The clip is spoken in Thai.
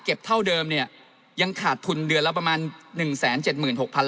เก็บเท่าเดิมเนี่ยยังขาดทุนเดือนละประมาณ๑แสน๗หมื่น๖พัน